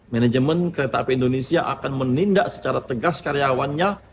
manajemen kereta api indonesia akan menindak secara tegas karyawannya